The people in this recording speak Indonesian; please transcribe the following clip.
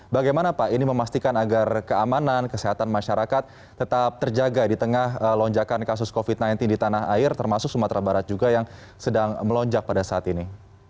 bagaimana pak ini memastikan agar keamanan kesehatan masyarakat tetap terjaga di tengah lonjakan kasus covid sembilan belas di tanah air termasuk sumatera barat juga yang sedang melonjak pada saat ini